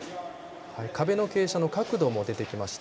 壁の傾斜の角度も出てきました。